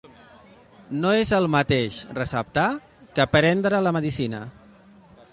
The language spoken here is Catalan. No és el mateix receptar que prendre la medicina.